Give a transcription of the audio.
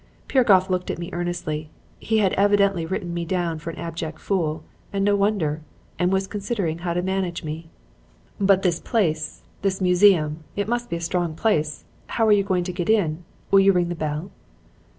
"Piragoff looked at me earnestly. He had evidently written me down an abject fool and no wonder and was considering how to manage me. "'But this place this museum it must be a strong place. How are you going to get in? Will you ring the bell?'